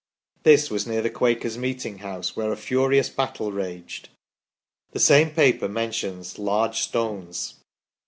This was near the Quakers' meeting house, where a furious battle raged." The same paper mentions "large stones